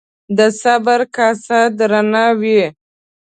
د صبر کاسه درانه وي